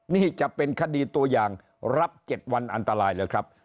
นี่จะเป็นคดีตัวอย่างรับ๗วันอันตรายเลยครับ